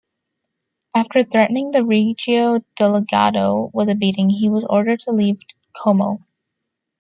After threatening the regio delegato with a beating he was ordered to leave Como.